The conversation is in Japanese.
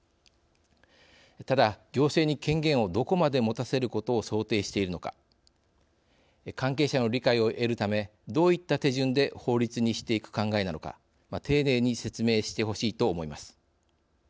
ただ、行政に権限をどこまで持たせることを想定しているのか関係者の理解を得るためどういった手順で法律にしていく考えなのか丁寧に説明してほしいと思います。